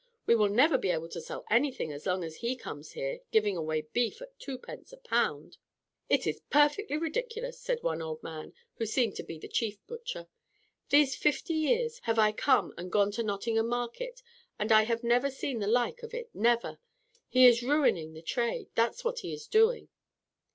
We will never be able to sell anything as long as he comes here giving away beef at twopence a pound." "It is perfectly ridiculous," said one old man, who seemed to be the chief butcher. "These fifty years have I come and gone to Nottingham market, and I have never seen the like of it never. He is ruining the trade, that's what he is doing."